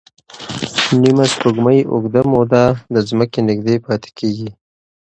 نیمه سپوږمۍ اوږده موده د ځمکې نږدې پاتې کېږي.